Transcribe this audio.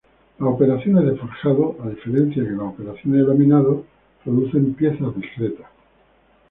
Las operaciones de forjado a diferencia que las operaciones de laminado producen piezas discretas.